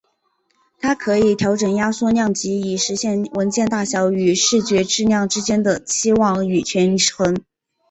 它可以调整压缩量级以实现文件大小与视觉质量之间的期望与权衡。